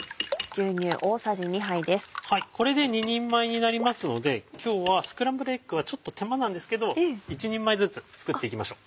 これで２人前になりますので今日はスクランブルエッグはちょっと手間なんですけど１人前ずつ作っていきましょう。